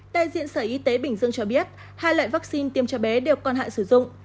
đại diện sở y tế bình dương cho biết hai loại vaccine tiêm cho bé đều còn hạn sử dụng